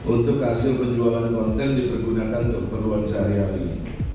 untuk hasil penjualan konten dipergunakan untuk perluan sehari hari